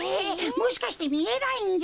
もしかしてみえないんじゃ？